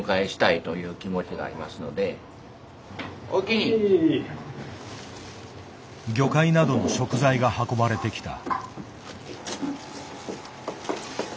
いやいや魚介などの食材が運ばれてきた。